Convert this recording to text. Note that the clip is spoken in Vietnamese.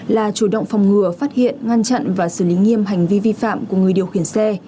là chủ động phòng ngừa phát hiện ngăn chặn và xử lý nghiêm hành vi vi phạm của người điều khiển xe